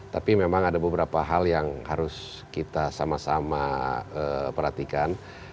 tapi memang ada beberapa hal yang harus kita sama sama perhatikan